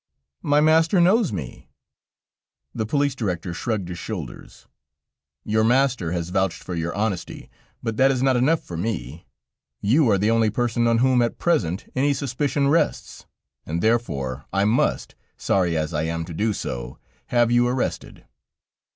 "My master knows me..." The police director shrugged his shoulders: "Your master has vouched for your honesty, but that is not enough for me. You are the only person on whom, at present, any suspicion rests, and therefore I must sorry as I am to do so have you arrested."